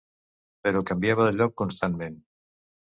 Però canviava de lloc constantment.